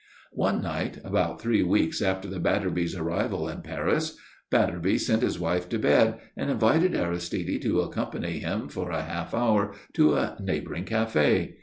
One night, about three weeks after the Batterbys' arrival in Paris, Batterby sent his wife to bed and invited Aristide to accompany him for half an hour to a neighbouring café.